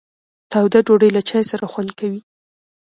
تاوده ډوډۍ له چای سره خوند کوي.